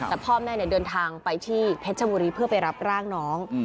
แต่พ่อแม่เดินทางไปที่เพชรบุรีเพื่อไปรับร่างน้อง